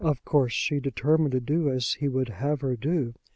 Of course she determined to do as he would have her do.